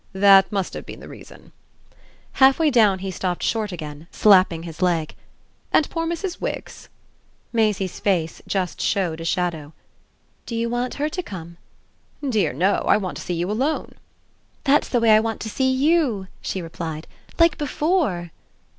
"That must have been the reason." Halfway down he stopped short again, slapping his leg. "And poor Mrs. Wix?" Maisie's face just showed a shadow. "Do you want her to come?" "Dear no I want to see you alone." "That's the way I want to see YOU!" she replied. "Like before."